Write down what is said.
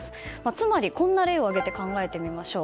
つまり、こんな例を挙げて考えてみましょう。